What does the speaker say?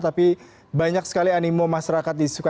tapi banyak sekali animo masyarakat disukai